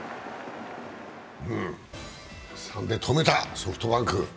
うん、３で止めた、ソフトバンク。